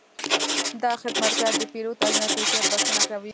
دا خدمتګر د پیرود اجناس په احتیاط بسته کړل.